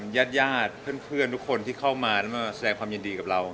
ญาติที่เข้ามานี่แสดงความยินดีกับเรา